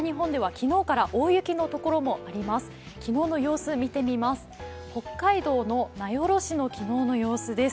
昨日の様子を見てみます。